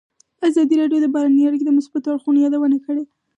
ازادي راډیو د بهرنۍ اړیکې د مثبتو اړخونو یادونه کړې.